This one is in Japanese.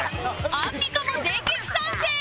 アンミカも電撃参戦！